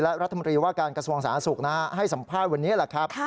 และรัฐมนตรีว่าการกระทรวงสาธารณสุขให้สัมภาษณ์วันนี้แหละครับ